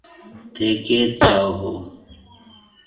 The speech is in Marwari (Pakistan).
ٿَي ڪيٿ جاو هون۔